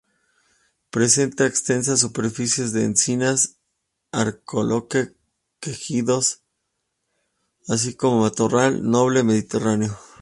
Presenta extensas superficies de encinas, alcornoques y quejigos, así como, matorral noble mediterráneo.